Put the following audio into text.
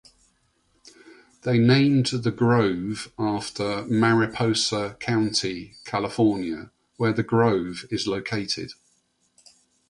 They named the grove after Mariposa County, California, where the grove is located.